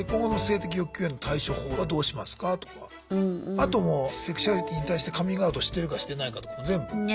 あともうセクシュアリティーに対してカミングアウトしてるかしてないかとかも全部。